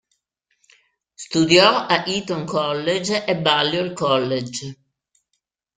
Studiò a Eton College e Balliol College.